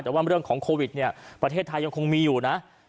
แต่ว่าเรื่องของโควิดเนี่ยประเทศไทยยังคงมีอยู่นะ